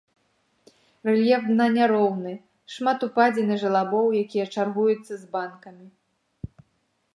Рэльеф дна няроўны, шмат упадзін і жалабоў, якія чаргуюцца з банкамі.